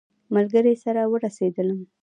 ملګري سره ورسېدلم.